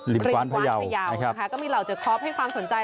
ริมคว้านพระเยานะครับก็มีเหล่าจะคอปให้ความสนใจ